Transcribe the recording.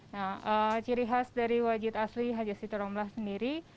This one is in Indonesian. nah ciri khas dari wajib asli haja situr rombla sendiri